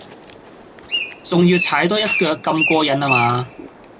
仲要踩多一腳咁過癮呀嗎